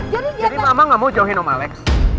jadi mama gak mau jauhin om alex